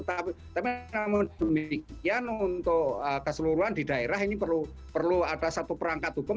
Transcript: tapi namun demikian untuk keseluruhan di daerah ini perlu ada satu perangkat hukum